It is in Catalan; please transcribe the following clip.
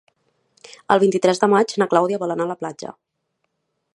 El vint-i-tres de maig na Clàudia vol anar a la platja.